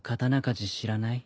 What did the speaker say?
知らない？